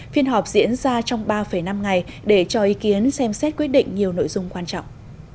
phiên họp diễn ra trong ba năm ngày để cho ý kiến xem xét quyết định nhiều nội dung quan trọng